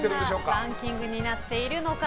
どんなランキングになっているのか。